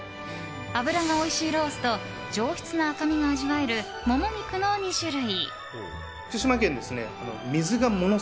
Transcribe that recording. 脂がおいしいロースと上質な赤身が味わえるモモ肉の２種類。